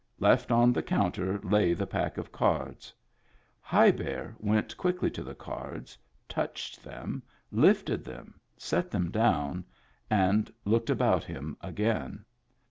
Left on the counter lay the pack of cards. High Bear went quickly to the cards, touched them, lifted them, set them down, and looked about him again.